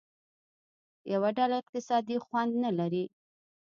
یوه ډله اقتصادي خوند نه لري.